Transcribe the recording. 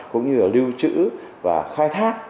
cũng như lưu chữ và khai thác